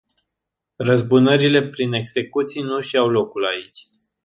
Răzbunările prin execuții nu își au locul aici.